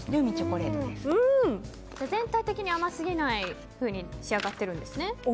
全体的に甘すぎないふうに仕上がってるんですね。